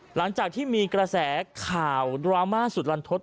หลังจากที่มีกระแสข่าวดราม่าสุดลันทศ